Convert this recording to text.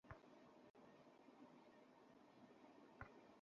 ব্যারিকেডের সামনেই চোখে পড়ল ফুল, গুলশানে নিহত ব্যক্তিদের স্মরণে অনেকেই দিয়ে গেছেন।